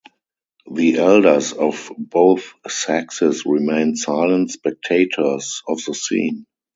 The elders of both sexes remained silent spectators of the scene.